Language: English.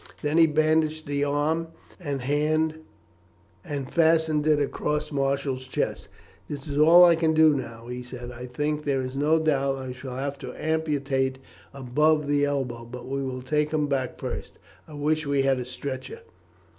Then he bandaged the arm and hand and fastened it across Marshall's chest. "That is all I can do now," he said. "I think there is no doubt I shall have to amputate above the elbow; but we will take him back first. I wish we had a stretcher."